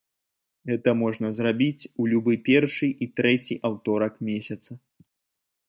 Гэта можна зрабіць у любы першы і трэці аўторак месяца.